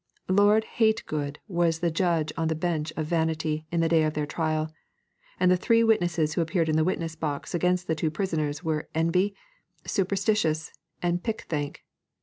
Lord Hate good was the judge on the bench of Vanity in the day of their trial, and the three witnesses who appeared in the witness box against the two prisoners were Envy, Superstition, and Pickthank.